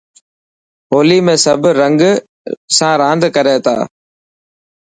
هولي ۾ سڀ رنگ سان راند ڪري ٿا.